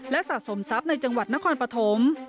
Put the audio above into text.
และสะสมทรัพย์ในจังหวัดนครปฐม